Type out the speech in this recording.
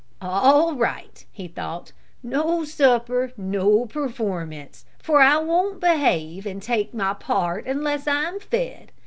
"All right," he thought, "no supper, no performance, for I won't behave and take my part unless I am fed.